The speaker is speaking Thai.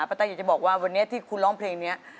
ต้าอยากจะบอกว่าวันนี้ที่คุณร้องเพลงนี้